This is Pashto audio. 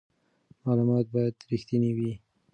معلومات باید رښتیني وي.